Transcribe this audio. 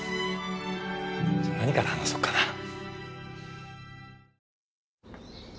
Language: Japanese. じゃあ何から話そうかな。